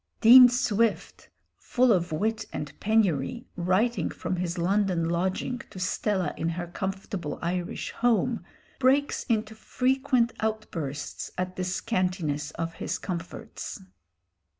Dean Swift, full of wit and penury, writing from his London lodging to Stella in her comfortable Irish home, breaks into frequent outbursts at the scantiness of his comforts.